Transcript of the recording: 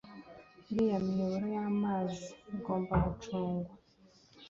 Iriya miyoboro y’amazi igomba gucungwa